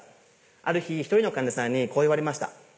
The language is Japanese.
ある日１人の患者さんにこう言われました。